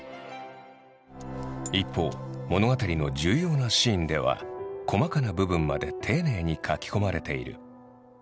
一方物語の重要なシーンでは細かな部分まで丁寧に描き込まれている。